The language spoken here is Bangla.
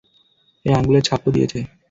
এই আঙুলের ছাপও দিয়েছে।